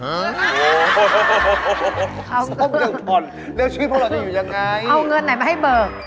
ครบหนึ่งผ่อนแล้วชีวิตพวกเราจะอยู่ยังไงเอาเงินไหนมาให้เบิก